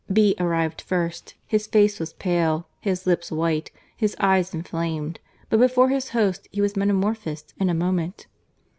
B arrived first; his face was pale, his lips white, his eyes inflamed, but before his host he was metamorphosed in a moment.